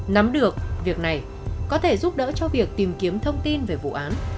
nắm được việc này có thể giúp đỡ cho việc tìm kiếm thông tin về vụ án